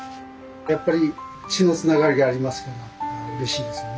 やっぱり血のつながりがありますからうれしいですよね。